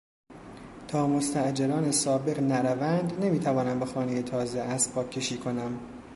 تا مستاجران سابق نروند نمیتوانم به خانهی تازه اسباب کشی کنم.